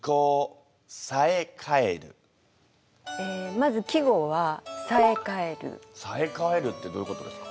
まず季語は「冴返る」「冴返る」ってどういうことですか？